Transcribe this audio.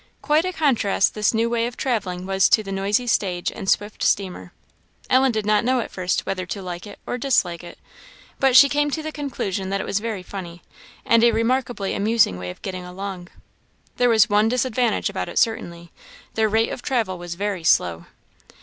Quite a contrast this new way of travelling was to the noisy stage and swift steamer. Ellen did not know at first whether to like or dislike it; but she came to the conclusion that it was very funny, and a remarkably amusing way of getting along. There was one disadvantage about it certainly their rate of travel was very slow.